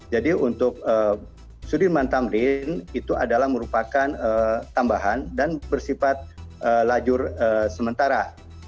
jadi untuk sudirman tamrin itu adalah merupakan tambahan dan bersifat lajur sementara